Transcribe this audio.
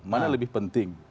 mana lebih penting